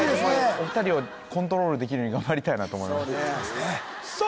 お二人をコントロールできるように頑張りたいなと思いますさあ